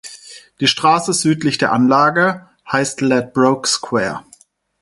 Die Straße südlich der Anlage heißt Ladbroke Square.